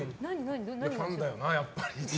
ファンだよな、やっぱりって。